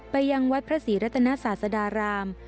ไปยังวัดพระศรีรัตนศาสดาราม